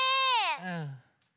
うん。